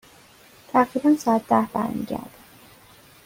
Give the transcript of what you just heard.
تقریبا ساعت ده برمی گردم.